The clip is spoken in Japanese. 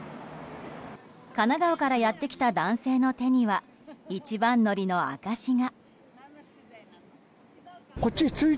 神奈川からやってきた男性の手には一番乗りの証しが。